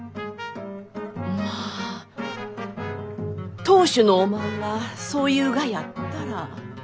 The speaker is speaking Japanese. まあ当主のおまんがそう言うがやったら。